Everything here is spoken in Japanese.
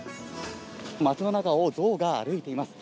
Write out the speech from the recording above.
街の中をゾウが歩いています。